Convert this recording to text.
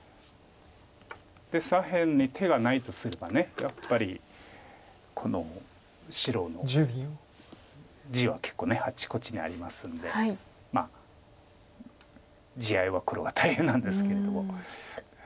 で左辺に手がないとすればやっぱり白の地は結構あちこちにありますんでまあ地合いは黒が大変なんですけれども。